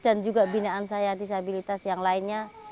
dan juga binaan saya disabilitas yang lainnya